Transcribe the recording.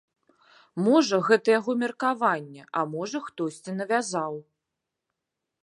Можа, гэта яго меркаванне, а можа, хтосьці навязаў.